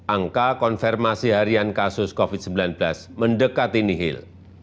angka konfirmasi harian kasus covid sembilan belas mendekati nihil